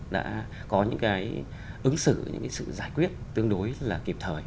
đã có những ứng xử những sự giải quyết tương đối là kịp thời